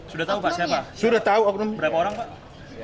sudah tahu pak siapa sudah tahu oknum berapa orang pak